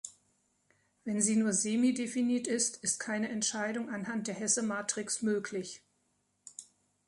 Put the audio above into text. Wenn sie nur semidefinit ist, ist keine Entscheidung anhand der Hesse-Matrix möglich.